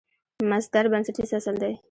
مصدر بنسټیز اصل دئ.